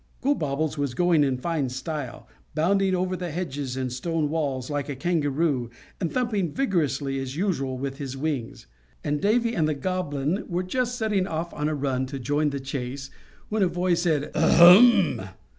Gobobbles was going in fine style, bounding over the hedges and stone walls like a kangaroo, and thumping vigorously, as usual, with his wings, and Davy and the Goblin were just setting off on a run to join in the chase, when a voice said, "Ahem!"